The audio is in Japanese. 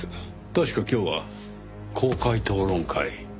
確か今日は公開討論会。